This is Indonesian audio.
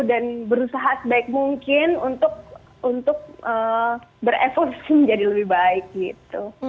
dan berusaha sebaik mungkin untuk berevolusi menjadi lebih baik gitu